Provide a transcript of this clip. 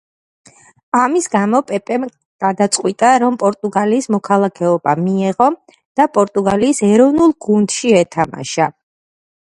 ამის გამო პეპემ გადაწყვიტა, რომ პორტუგალიის მოქალაქეობა მიეღო და პორტუგალიის ეროვნულ გუნდში ეთამაშა.